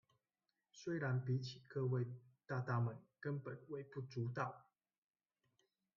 雖然比起各位大大們根本微不足道